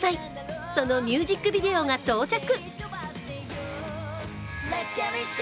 そのミュージックビデオが到着。